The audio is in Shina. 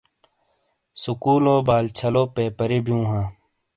سکولو بال چھالو پیپر ی بیو ہاں۔